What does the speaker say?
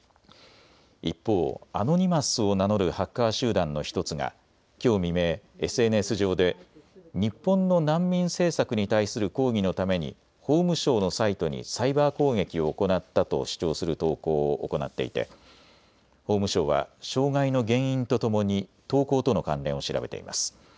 一方、アノニマスを名乗るハッカー集団の１つがきょう未明、ＳＮＳ上で日本の難民政策に対する抗議のために法務省のサイトにサイバー攻撃を行ったと主張する投稿を行っていて法務省は障害の原因とともに投稿との関連を調べています。